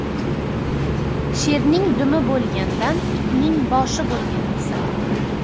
• Sherning dumi bo‘lgandan itning boshi bo‘lgan afzal.